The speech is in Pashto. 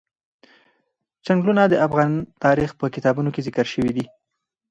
چنګلونه د افغان تاریخ په کتابونو کې ذکر شوی دي.